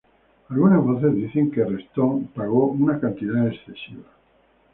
Algunas voces dicen que Redstone pagó una cantidad excesiva.